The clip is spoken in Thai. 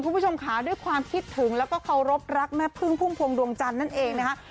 คุณผู้ชมค่ะด้วยความคิดถึงแล้วก็เคารพรักแม่พึ่งพุ่มพวงดวงจันทร์นั่นเองนะคะ